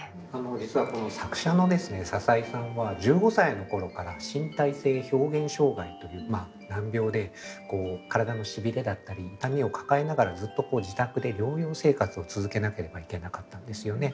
実はこの作者のですね笹井さんは１５歳の頃から身体性表現障害という難病で体のしびれだったり痛みを抱えながらずっとこう自宅で療養生活を続けなければいけなかったんですよね。